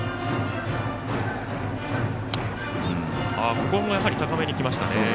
ここも高めにきましたね。